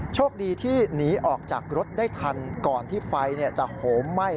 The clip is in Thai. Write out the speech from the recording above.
โชคดีที่หนีออกจากรถได้ทันก่อนที่ไฟจะโหมไหม้